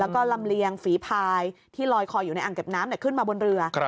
แล้วก็ลำเลียงฝีพายที่ลอยคออยู่ในอ่างเก็บน้ำขึ้นมาบนเรือ